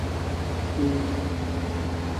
বিভা আজ বিকালে কাঁদিতেছিল?